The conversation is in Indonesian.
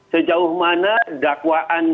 sejauh mana dakwaan itu